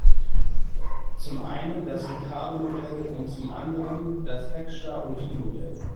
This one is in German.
Zum einen das Ricardo-Modell und zum anderen das Heckscher-Ohlin-Modell.